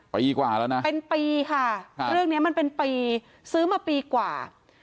เป็นปีค่ะเรื่องนี้มันเป็นปีซื้อมาปีกว่า